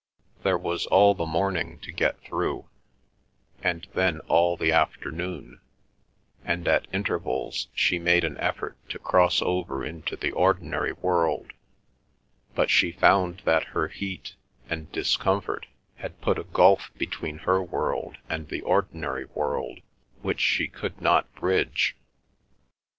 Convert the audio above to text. There was all the morning to get through, and then all the afternoon, and at intervals she made an effort to cross over into the ordinary world, but she found that her heat and discomfort had put a gulf between her world and the ordinary world which she could not bridge.